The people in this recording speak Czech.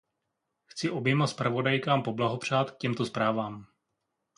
Chci oběma zpravodajkám blahopřát k těmto zprávám.